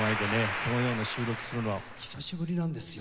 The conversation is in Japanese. このような収録するのは久しぶりなんですよ。